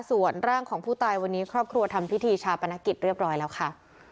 ส่วนร่างของผู้ตายวันนี้ครอบครัวทำพิธีชาปนกิจเรียบร้อยแล้วค่ะ